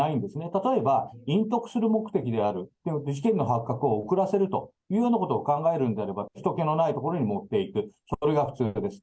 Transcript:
例えば、隠匿する目的である、事件の発覚を遅らせるというようなことを考えるのであれば、ひと気のない所に持っていく、それが普通です。